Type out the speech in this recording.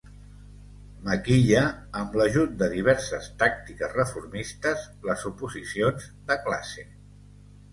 Maquilla, amb l'ajut de diverses tàctiques reformistes, les oposicions de classe.